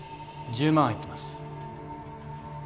１０万入ってます。